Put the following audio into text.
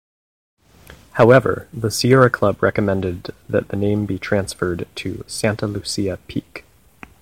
However, the Sierra Club recommended that the name be transferred to Santa Lucia Peak.